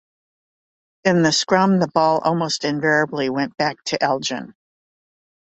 In the scrum the ball almost invariably went back to Elgin.